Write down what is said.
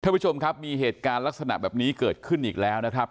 ท่านผู้ชมครับมีเหตุการณ์ลักษณะแบบนี้เกิดขึ้นอีกแล้วนะครับ